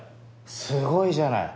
すごいじゃない。